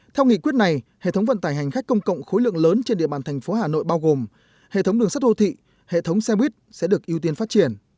theo nghị quyết này hệ thống vận tải hành khách công cộng khối lượng lớn trên địa bàn thành phố hà nội bao gồm hệ thống đường sắt đô thị hệ thống xe buýt sẽ được ưu tiên phát triển